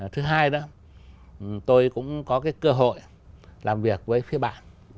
thứ hai đó tôi cũng có cái cơ hội làm việc với phía bạn